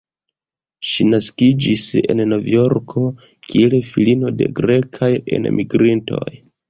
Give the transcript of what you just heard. Ŝi naskiĝis en Novjorko, kiel filino de grekaj enmigrintoj.